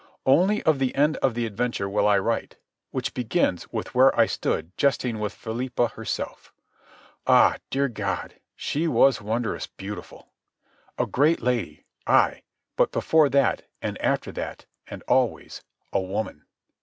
Only of the end of the adventure will I write, which begins with where I stood jesting with Philippa herself—ah, dear God, she was wondrous beautiful. A great lady—ay, but before that, and after that, and always, a woman.